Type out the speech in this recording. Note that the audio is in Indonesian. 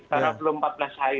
karena belum empat belas hari